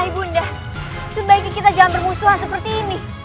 ibunda sebaiknya kita jangan bermusuhan seperti ini